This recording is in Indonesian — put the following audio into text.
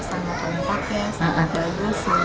sangat bagus ya tidak terhormesis